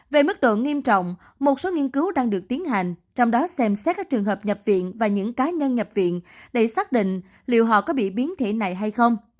về mức độ nghiêm trọng một số nghiên cứu đang được tiến hành trong đó xem xét các trường hợp nhập viện và những cá nhân nhập viện để xác định liệu họ có bị biến thể này hay không